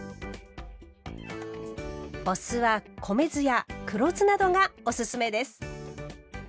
お酢は米酢や黒酢などがおすすめです。